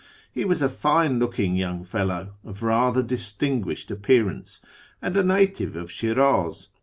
He was a fine looking young fellow, of rather distinguished appearance, and a native of Shiraz.